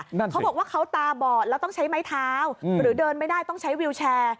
เขาบอกว่าเขาตาบอดแล้วต้องใช้ไม้เท้าหรือเดินไม่ได้ต้องใช้วิวแชร์